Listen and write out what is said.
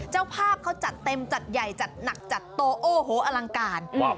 เจ้าภาพเขาจัดเต็มจัดใหญ่จัดหนักจัดโตโอ้โหอลังการ